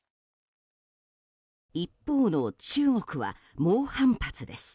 一方の中国は猛反発です。